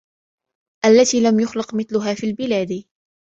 الَّتي لَم يُخلَق مِثلُها فِي البِلادِ